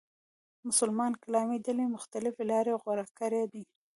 مسلمانانو کلامي ډلې مختلفې لارې غوره کړې دي.